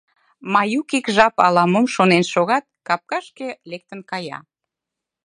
Маюк ик жап ала-мом шонен шогат, капкашке лектын кая.